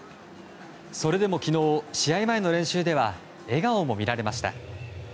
それでも昨日、試合前の練習では笑顔も見られました。